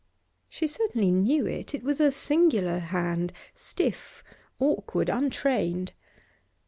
She certainly knew it; it was a singular hand, stiff, awkward, untrained.